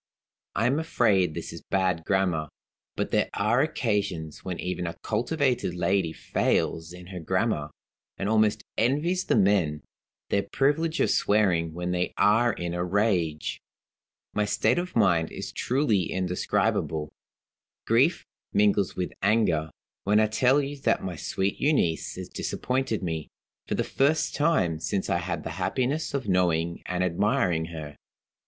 I am afraid this is bad grammar. But there are occasions when even a cultivated lady fails in her grammar, and almost envies the men their privilege of swearing when they are in a rage. My state of mind is truly indescribable. Grief mingles with anger, when I tell you that my sweet Euneece has disappointed me, for the first time since I had the happiness of knowing and admiring her.